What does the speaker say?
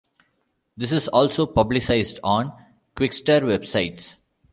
This is also publicized on Quixtar websites.